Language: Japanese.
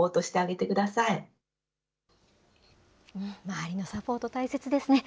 周りのサポート大切ですね。